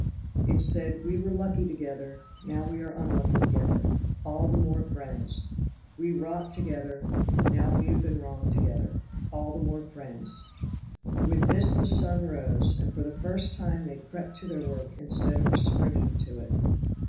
It said: "We were lucky together; now we are unlucky together all the more friends. We wrought together; now we have been wronged together all the more friends." With this the sun rose, and for the first time they crept to their work instead of springing to it.